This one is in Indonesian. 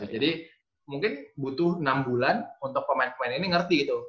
jadi mungkin butuh enam bulan untuk pemain pemain ini ngerti gitu